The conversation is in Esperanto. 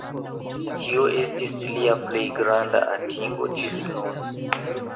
Tio estis lia plej granda atingo ĝis nun.